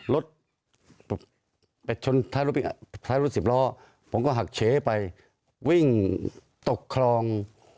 รถท้ายรถ๑๐ล้อผมก็หักเฉไปวิ่งตกคลอง